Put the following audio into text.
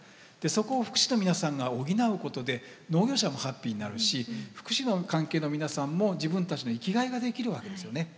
そこを福祉の皆さんが補うことで農業者もハッピーになるし福祉の関係の皆さんも自分たちの生きがいができるわけですよね。